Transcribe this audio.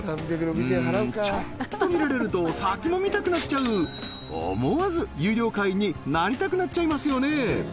うんちょっと見られると先も見たくなっちゃうなりたくなっちゃいますよね